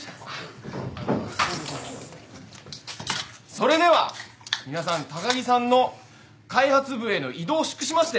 それでは皆さん高木さんの開発部への異動を祝しまして。